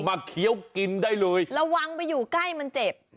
ไปยิกให้ไกลมันเจ็บ